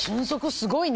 すごいね！